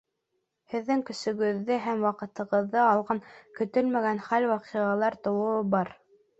Һеҙҙең көсөгөҙҙө һәм ваҡытығыҙҙы алған көтөлмәгән хәл-ваҡиғалар тыуыуы бар.